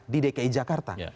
di dki jakarta